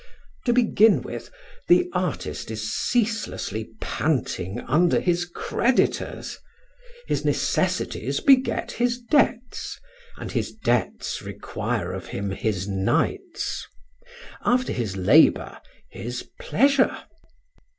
To begin with, the artist is ceaselessly panting under his creditors; his necessities beget his debts, and his debts require of him his nights. After his labor, his pleasure.